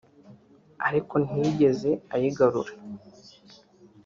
ariko ntiyigeze ayigarura